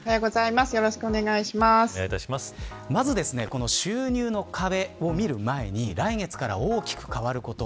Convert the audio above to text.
まず、収入の壁を見る前に来月から大きく変わること。